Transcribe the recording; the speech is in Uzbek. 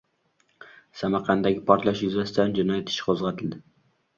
Samarqanddagi portlash yuzasidan jinoyat ishi qo‘zg‘atildi